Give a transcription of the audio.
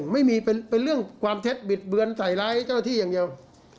ไม่มีเป็นเรื่องความเท็จบิดเบือนใส่ร้ายเจ้าหน้าที่อย่างเดียว